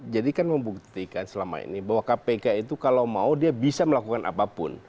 jadi kan membuktikan selama ini bahwa kpk itu kalau mau dia bisa melakukan apapun